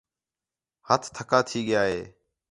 ہتھ تَھکا تھی ڳِیا